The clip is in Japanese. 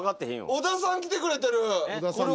小田さん来てくれてる！